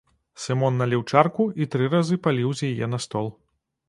Сымон наліў чарку і тры разы паліў з яе на стол.